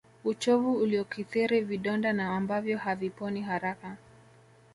uchovu uliokithiri vidonda na ambavyo haviponi haraka